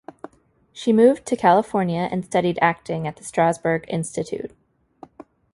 She moved to California, and studied acting at the Strasberg Institute.